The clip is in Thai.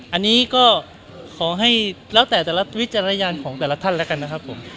อันนี้ก็ขอให้แล้วแต่แต่ละวิจารณญาณของแต่ละท่านแล้วกันนะครับผม